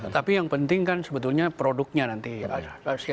tapi yang penting kan sebetulnya produknya nanti